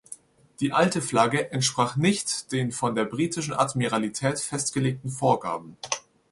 Die alte Flagge entsprach nicht den von der britischen Admiralität festgelegten Vorgaben.